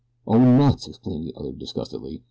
"Oh, nuts!" exclaimed the other disgustedly.